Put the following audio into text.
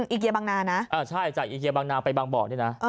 อีเกียบังนานะใช่จากอีเกียบางนาไปบางบ่อนี่นะ